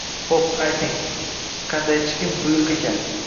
— Xo‘p, ayting, qandaychikin buyruq ekan?